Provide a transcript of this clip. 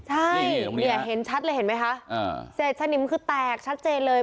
ใช่เนี่ยเห็นชัดเลยเห็นไหมคะเศษสนิมคือแตกชัดเจนเลย